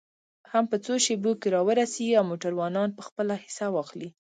هم په څو شیبو کې را ورسېږي او موټروانان به خپله حصه واخلي.